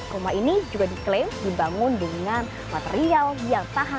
rumah ini juga diklaim dibangun dengan material yang tahan